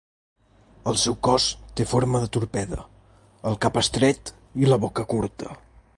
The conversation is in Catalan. El seu cos té forma de torpede, el cap estret i la boca curta.